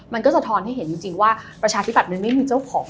มันก็สะท้อนให้เห็นจริงว่าประชาธิบัตย์มันไม่มีเจ้าของ